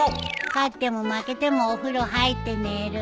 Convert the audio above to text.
勝っても負けてもお風呂入って寝る。